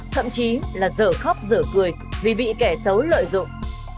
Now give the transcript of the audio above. thậm chí là dở khóc dở cười vì bị kẻ xấu lợi dụng